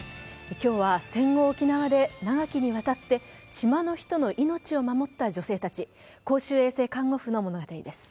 今日は戦後沖縄で長きにわたって島の人の命を守った女性たち公衆衛生看護婦の物語です。